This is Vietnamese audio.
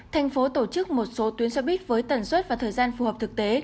thành phố tổ chức một số tuyến xe buýt với tần suất và thời gian phù hợp thực tế